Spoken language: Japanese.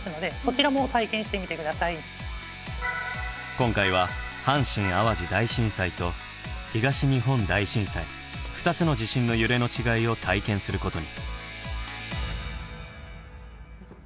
今回は阪神・淡路大震災と東日本大震災２つの地震の揺れの違いを体験することに。